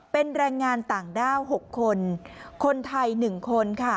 เป็นแรงงานต่างด้าว๖คนคนไทย๑คนค่ะ